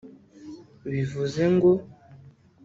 Bivuze ngo